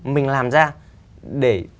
mình làm ra để